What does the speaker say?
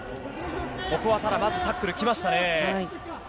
ここはただまずタックルきましたね。